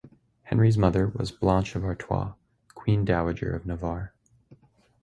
Henry's mother was Blanche of Artois, Queen Dowager of Navarre.